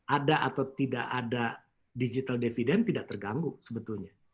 ada atau tidak ada digital dividend tidak terganggu sebetulnya